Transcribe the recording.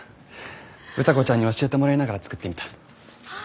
歌子ちゃんに教えてもらいながら作ってみた。